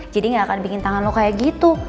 jadi gak akan bikin tangan lo kayak gitu